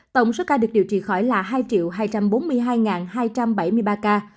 tổng số ca được điều trị khỏi là hai hai trăm bốn mươi hai hai trăm bảy mươi ba ca